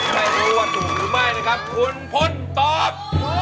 ไม่รู้ว่าถูกหรือไม่นะครับคุณพลตอบ